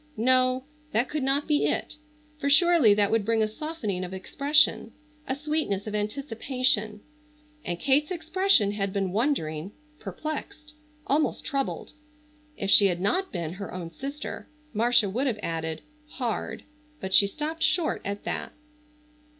No, that could not be it, for surely that would bring a softening of expression, a sweetness of anticipation, and Kate's expression had been wondering, perplexed, almost troubled. If she had not been her own sister Marcia would have added, "hard," but she stopped short at that.